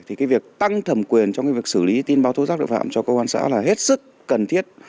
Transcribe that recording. thì cái việc tăng thẩm quyền trong cái việc xử lý tin báo tố giác tội phạm cho công an xã là hết sức cần thiết